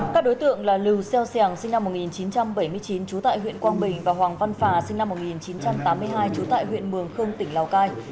các đối tượng là lưu xeo xẻng sinh năm một nghìn chín trăm bảy mươi chín trú tại huyện quang bình và hoàng văn phà sinh năm một nghìn chín trăm tám mươi hai trú tại huyện mường khương tỉnh lào cai